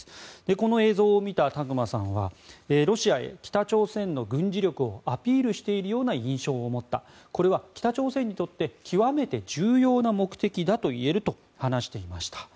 この映像を見た琢磨さんはロシアへ北朝鮮の軍事力をアピールしているような印象を持ったこれは北朝鮮にとって極めて重要な目的だといえると話していました。